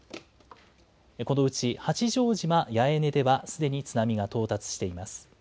このうち八丈島八重根ではすでに津波が到達しています。